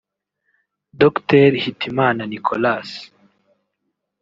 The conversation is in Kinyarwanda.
Dr Hitimana Nicolas